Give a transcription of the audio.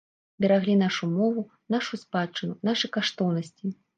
Бераглі нашу мову, нашу спадчыну, нашы каштоўнасці.